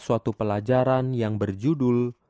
suatu pelajaran yang berjudul